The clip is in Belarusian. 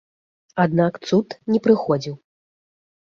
Аднак цуд не прыходзіў.